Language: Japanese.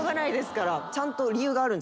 ちゃんと理由があるんです。